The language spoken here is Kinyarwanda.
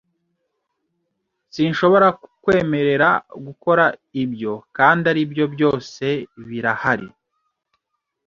Sinshobora kukwemerera gukora ibyo kandi aribyo byose birahari.